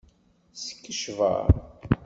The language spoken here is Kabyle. Skecber.